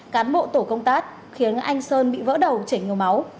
cán bộ tổ công tác khiến anh sơn bị vỡ đầu chảy nhiều máu